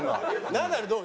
ナダルどう？